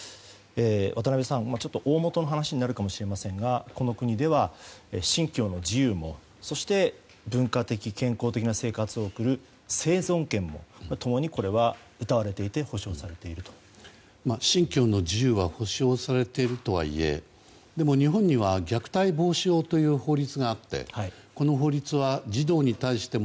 渡辺さん、おおもとの話になるかもしれませんがこの国では信教の自由も文化的、健康的な生活を送る生存権も共にうたわれていて信教の自由は保証されているとはいえでも、日本には虐待防止法という法律があって、この法律は児童に対しても